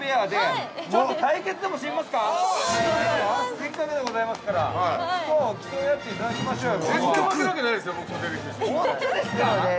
せっかくでございますから競い合っていただきましょうよ。